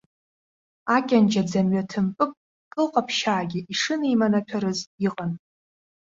Акьанџьа ӡамҩа ҭымпып кылҟаԥшьаагьы ишынеиманаҭәарыз иҟан.